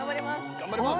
頑張ります！